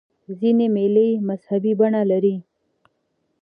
ځیني مېلې مذهبي بڼه لري.